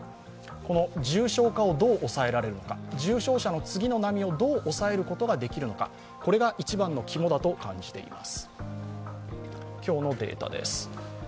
この重症化をどう抑えられるのか重症者の次の波をどう抑えることができるのかこれが一番の肝だと感じています。